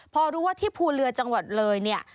พอรู้ว่าที่ภูเรือจังหวัดเลยเนี่ย